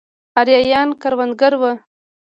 ارایایان کروندګر وو.